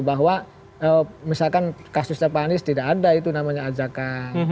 bahwa misalkan kasusnya panis tidak ada itu namanya ajakan